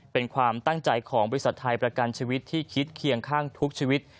เป็นความตั้งใจของบริษัทไทยประกันชีวิตที่คิดเคียงข้างทุกชีวิต